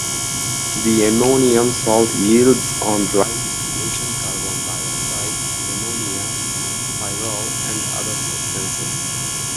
The ammonium salt yields on dry distillation carbon dioxide, ammonia, pyrrol and other substances.